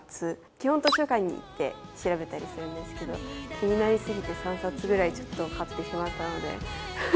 基本、図書館に行って調べたりするんですけど、気になりすぎて、３冊ぐらいちょっと買ってしまったので。